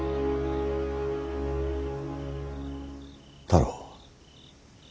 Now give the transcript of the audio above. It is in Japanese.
太郎。